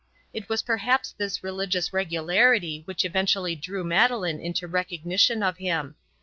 It was perhaps this religious regularity which eventually drew Madeleine into recognition of him.